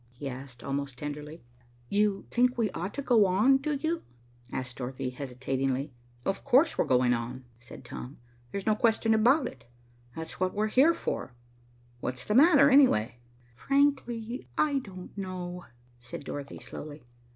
he asked, almost tenderly. "You think we ought to go on, do you?" asked Dorothy hesitatingly. "Of course we're going on," said Tom. "There's no question about it. That's what we're here for. What's the matter, anyway?" "Frankly, I don't know," said Dorothy slowly.